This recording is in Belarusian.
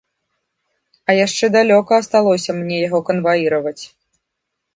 А яшчэ далёка асталося мне яго канваіраваць.